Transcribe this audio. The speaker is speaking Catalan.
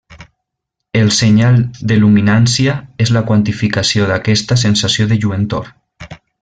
El senyal de luminància és la quantificació d'aquesta sensació de lluentor.